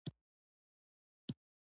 ایا وینه مو کمه ده؟